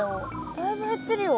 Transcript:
だいぶ減ってるよ。